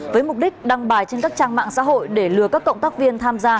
với mục đích đăng bài trên các trang mạng xã hội để lừa các cộng tác viên tham gia